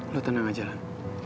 lo tenang aja lan